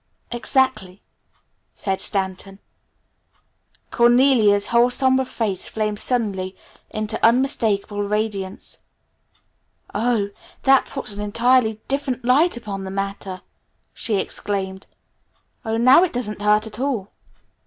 "Exactly," said Stanton. Cornelia's whole somber face flamed suddenly into unmistakable radiance. "Oh, that puts an entirely different light upon the matter," she exclaimed. "Oh, now it doesn't hurt at all!"